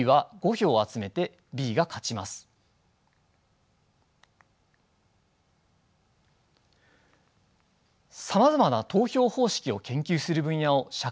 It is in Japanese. さまざまな投票方式を研究する分野を社会的選択理論といいます。